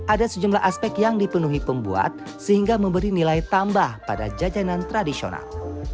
ada sejumlah aspek yang dipenuhi pembuat sehingga memberi nilai tambah pada jajanan tradisional